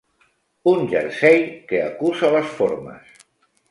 Un jersei que acusa les formes.